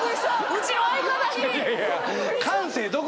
うちの相方に。